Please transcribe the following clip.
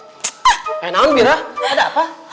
eh namun bira ada apa